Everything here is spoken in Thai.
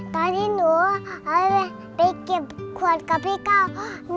ตอนที่หนูได้เก็บขวดกับพี่ก้าว